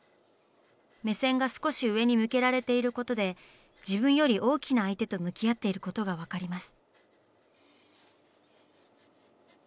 目線が少し上に向けられていることで自分より大きな相手と向き合っていることが分かります。